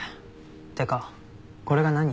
ってかこれが何？